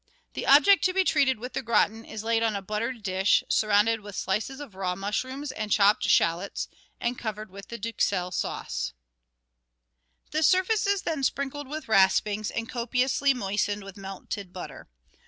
The object to be treated with the gratin is laid on a buttered dish, surrounded with slices of raw mushrooms and chopped shallots, and covered with duxelle sauce. The. surface is then sprinkled with raspings, and copiously moistened with melted butter.